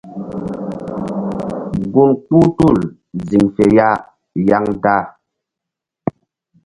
Gun kpuh tul ziŋ fe ya yaŋda.